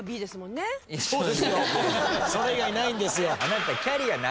それ以外ないんですよ。